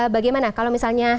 bagaimana kalau misalnya